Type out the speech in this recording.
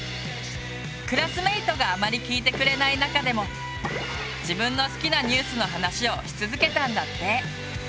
クラスメートがあまり聞いてくれない中でも自分の好きなニュースの話をし続けたんだって。